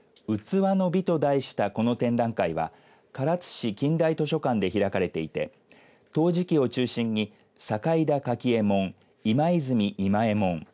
うつわの美と題したこの展覧会は唐津市近代図書館で開かれていて陶磁器を中心に酒井田柿右衛門今泉今右衛門